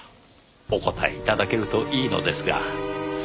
お答え頂けるといいのですが。